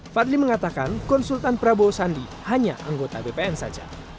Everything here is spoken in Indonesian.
fadli mengatakan konsultan prabowo sandi hanya anggota bpn saja